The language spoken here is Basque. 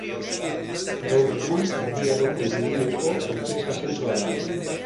Gaur egun Erdi Aroko Hiriguneko Enpresa Zentroa da.